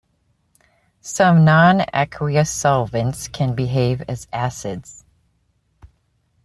Some non-aqueous solvents can behave as acids.